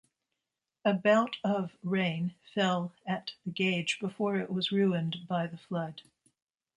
About of rain fell at the gauge before it was ruined by the flood.